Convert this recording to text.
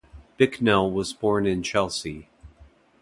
Bicknell was born in Chelsea.